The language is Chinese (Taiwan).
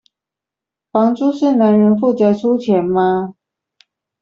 房租是男人負責出錢嗎？